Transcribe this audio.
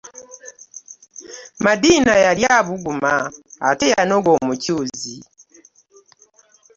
Madiina yali abuguma ate nga yanoga omucuuzi.